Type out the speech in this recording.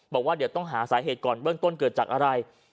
บอกว่าเดี๋ยวต้องหาสาเหตุก่อนเบื้องต้นเกิดจากอะไร